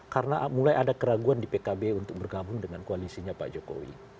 karena mulai ada keraguan di pkb untuk bergabung dengan koalisinya pak jokowi